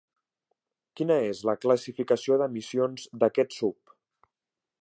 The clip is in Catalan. Quina és la classificació d'emissions d'aquest SUV?